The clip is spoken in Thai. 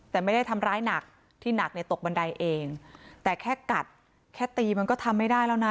แต่ไม่ได้ทำร้ายหนักที่หนักเนี่ยตกบันไดเองแต่แค่กัดแค่ตีมันก็ทำไม่ได้แล้วนะ